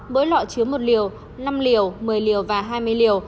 mỗi lọ chứa một liều năm liều một mươi liều và hai mươi liều